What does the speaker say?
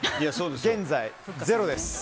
現在、ゼロです。